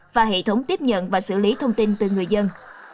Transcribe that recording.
và hệ thống tiếp nhận và xử lý thông tin từ người dân